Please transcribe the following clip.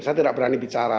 saya tidak berani bicara